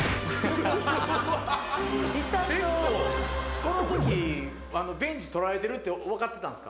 この時ベンチ撮られてるって分かってたんですか？